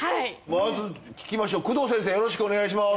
まず聞きましょう工藤先生よろしくお願いします。